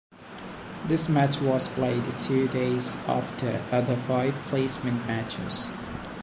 This match was played two days after the other five placement matches.